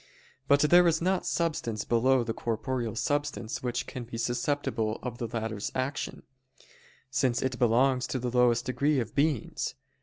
But there is not substance below the corporeal substance which can be susceptible of the latter's action; since it belongs to the lowest degree of beings.